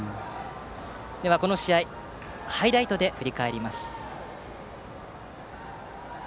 この試合をハイライトで振り返ります。